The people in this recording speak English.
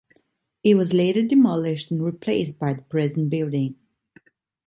It was later demolished and replaced by the present building.